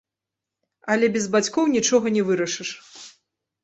Але без бацькоў нічога не вырашыш.